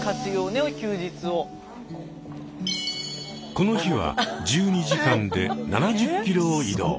この日は１２時間で７０キロを移動。